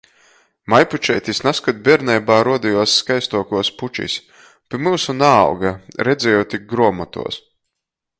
Majpučeitis nazkod bierneibā ruodejuos skaistuokuos pučis. Pi myusu naauga, redzieju tik gruomotuos.